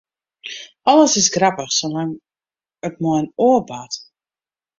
Alles is grappich, salang't it mei in oar bart.